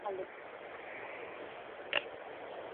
Ohar horretan ez du murrizketa horiek nola aplikatuko dituen azaldu.